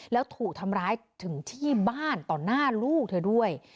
แล้วถูกทำร้ายถึงที่บ้านต่อหน้าลูกเธอด้วย